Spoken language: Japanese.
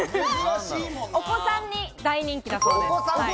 お子さんに大人気だそうです。